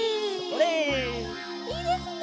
いいですね！